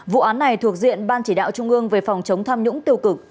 vụ án này thuộc diện ban chỉ đạo trung ương về phòng chống tham nhũng tiêu cực